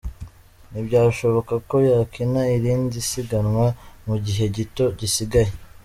Ntibyashoboka ko yakina irindi siganwa mu gihe gito gisigaye .